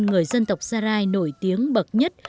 người dân tộc sarai nổi tiếng bậc nhất